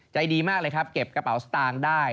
ใจดีมากเลยครับเก็บกระเป๋าสตางค์ได้